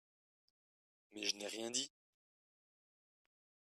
Mais je n’ai rien dit